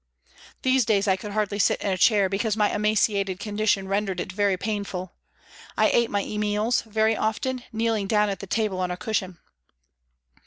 These days I could hardly sit in a chair, because my emaciated condition rendered it very painful ; I ate my meals, very often, kneeling down at the table on a cushion.